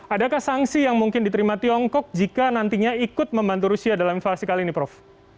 adakah sanksi yang mungkin diterima tiongkok jika nantinya ikut membantu rusia dalam invasi kali ini prof